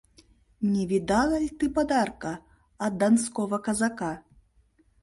Не видала ль ты подарка От донского казака...